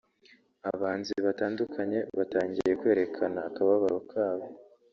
abahanzi batandukanye batangiye kwerekana akababaro kabo